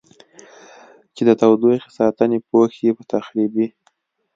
چې د تودوخې ساتنې پوښ یې په تخریبي